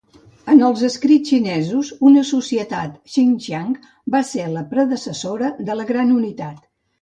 En els escrits xinesos, una societat "Xinxiang" va ser la predecessora de la Gran Unitat.